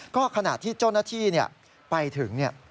ก็ขณะที่เจ้าหน้าที่ไปถึง